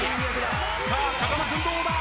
さあ風間君どうだ？